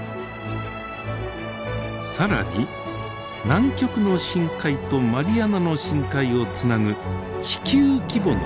更に南極の深海とマリアナの深海をつなぐ地球規模の流れがあります。